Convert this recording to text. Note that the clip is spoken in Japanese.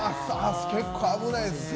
結構、危ないですね。